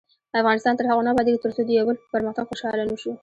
افغانستان تر هغو نه ابادیږي، ترڅو د یو بل په پرمختګ خوشحاله نشو.